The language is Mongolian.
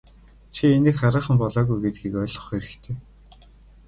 Чи инээх хараахан болоогүй гэдгийг ойлгох хэрэгтэй.